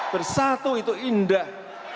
bersatu itu indah